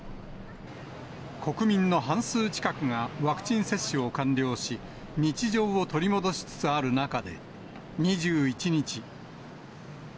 国民の半数近くがワクチン接種を完了し、日常を取り戻しつつある中で、２１日。